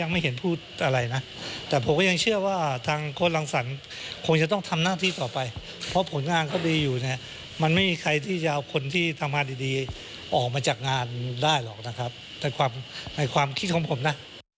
ไม่ได้หรอกนะครับในความคิดของผมนะ